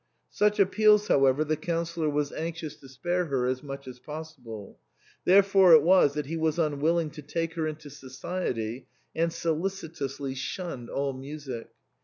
Such appeals however the Councillor was anx ious to spare her as much as possible ; therefore it was that he was unwilling to take her into society, and so licitously shunned all music.